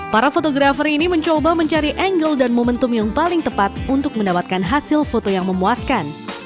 para fotografer ini mencoba mencari angle dan momentum yang paling tepat untuk mendapatkan hasil foto yang memuaskan